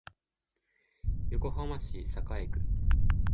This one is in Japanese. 横浜市栄区